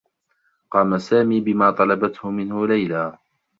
قام سامي بما طلبته منه ليلى.